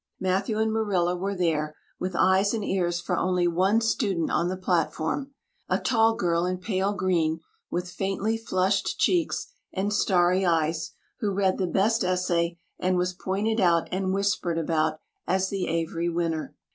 Matthew and Marilla were there, with eyes and ears for only one student on the platform a tall girl in pale green, with faintly flushed cheeks and starry eyes, who read the best essay and was pointed out and whispered about as the Avery winner.